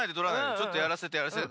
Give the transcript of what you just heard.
ちょっとやらせてやらせて。